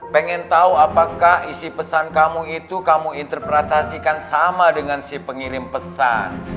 pengen tahu apakah isi pesan kamu itu kamu interpretasikan sama dengan si pengirim pesan